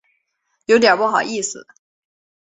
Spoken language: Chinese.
有点不好意思